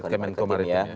ya menko maritim